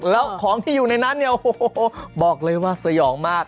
แล้วของที่อยู่ในนั้นเนี่ยโอ้โหบอกเลยว่าสยองมาก